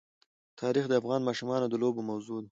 تاریخ د افغان ماشومانو د لوبو موضوع ده.